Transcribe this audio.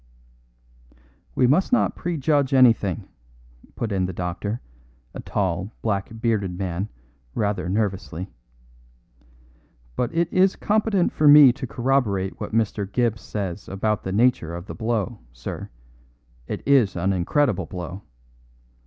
"We must not prejudge anything," put in the doctor, a tall, black bearded man, rather nervously; "but it is competent for me to corroborate what Mr. Gibbs says about the nature of the blow, sir; it is an incredible blow.